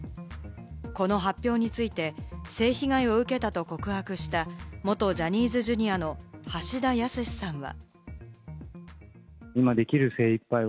この発表について、性被害を受けたと告白した元ジャニーズＪｒ．の橋田康さんは。